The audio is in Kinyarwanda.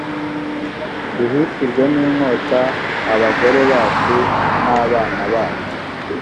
tuhicirwe n inkota abagore bacu n abana bacu